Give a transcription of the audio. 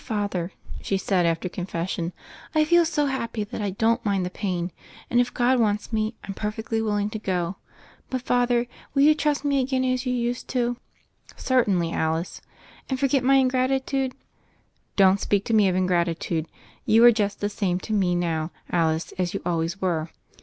Father," she said, after confes sion, "I feel so happy that I don't mind the pain. And, if God wants me, I'm perfectly will ing to go. But, Father, will you trust me again as you used to?" "Certainly, Alice." "And forget my ingratitude?" "Don't speak to me of ingratitude. You are just the same to me now, Alice, as you always were."